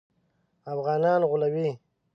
افغانان غولوي.